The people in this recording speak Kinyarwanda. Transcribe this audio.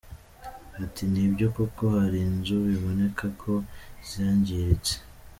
Ati "Ni byo koko hari inzu biboneka ko zangiritse.